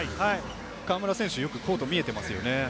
河村選手、よくコートが見えていますよね。